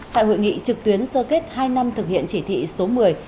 tại hội nghị trực tuyến sơ kết hai năm thực hiện chỉ thị số một mươi